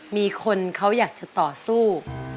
มีคนเขาอยากจะต่อสู้